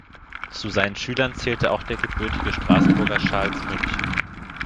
Zu seinen Schülern zählte auch der gebürtige Straßburger Charles Münch.